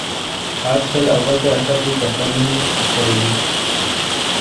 آج کل اول تو ایسا کوئی کرتا نہیں اور کرے بھی